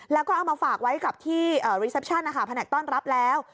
แล้วก็เอามาฝากไว้กับที่รีเซปชั่นนะคะแผนกต้อนรับแล้ว